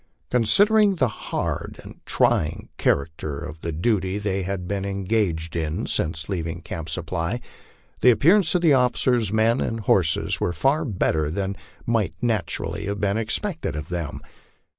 Considering the hard and trying character of the duty they had been en gaged in since leaving Camp Supply, the appearance of officers, men, and horses was far better than might naturally have been expected of them.